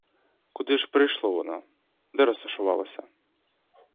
Куди ж прийшло воно, де розташувалося?